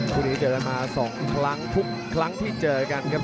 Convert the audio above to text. คู่นี้เจอกันมา๒ครั้งทุกครั้งที่เจอกันครับ